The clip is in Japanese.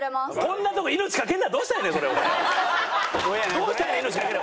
どうしたら命懸ける。